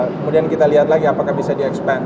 kemudian kita lihat lagi apakah bisa di expand